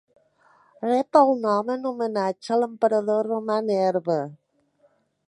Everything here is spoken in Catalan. Rep el nom en homenatge a l'emperador romà Nerva.